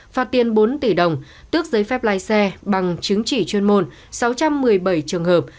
phạt tiền bốn tỷ đồng tước giấy phép lái xe bằng chứng chỉ chuyên môn sáu trăm một mươi bảy trường hợp